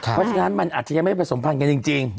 เพราะฉะนั้นมันอาจจะยังไม่ผสมพันธ์กันจริง